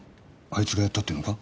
あいつがやったっていうのか？